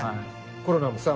コロナもさ